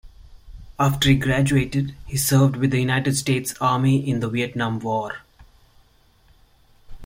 After he graduated, he served with the United States Army in the Vietnam War.